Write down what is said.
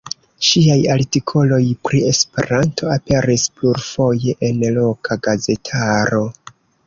Ŝiaj artikoloj pri Esperanto aperis plurfoje en loka gazetaro.